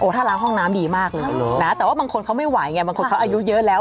ถ้าล้างห้องน้ำดีมากเลยนะแต่ว่าบางคนเขาไม่ไหวไงบางคนเขาอายุเยอะแล้ว